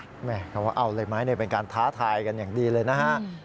หมายความว่าเอาเลยไหมเป็นการท้าทายกันอย่างดีเลยนะฮะ